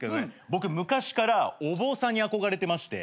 僕昔からお坊さんに憧れてまして。